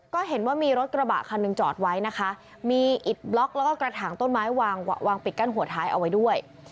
ก็เห็นว่ามีรถกระบะคันหนึ่งจอดไว้นะคะมีอิดบล็อกแล้วก็กระถางต้นไม้วางปิดกั้นหัวท้ายเอาไว้ด้วย